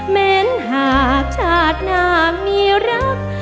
เม้นหากจากนางเมียรัก